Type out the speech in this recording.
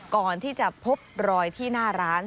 ก่อนที่จะพบรอยที่หน้าร้าน